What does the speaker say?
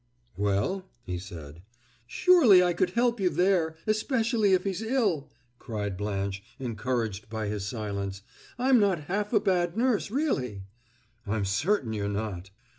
"Well?" he said. "Surely I could help you there! Especially if he's ill," cried Blanche, encouraged by his silence. "I'm not half a bad nurse, really!" "I'm certain you're not."